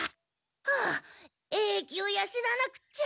はあ英気をやしなわなくっちゃ。